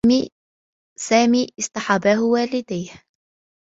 سامي اصطحباه والديه.